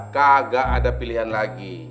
kagak ada pilihan lagi